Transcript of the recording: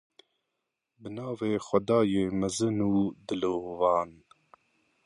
Bi navê xwedayê mezin û dilovan.